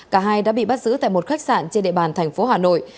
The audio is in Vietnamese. cả hai đã bị bắt giữ tại một khách sạn trên địa bàn thành phố hà nội